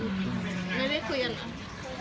ก็ดูไง